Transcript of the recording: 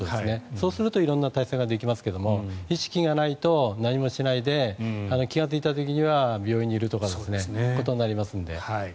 そうすると色んな対策ができますが意識がないと何もしないで気がついた時には病院にいるとかそういうことになりますので。